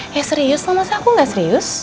ya serius masa aku gak serius